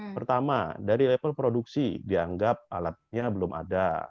pertama dari level produksi dianggap alatnya belum ada